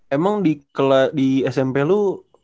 emang di smp lu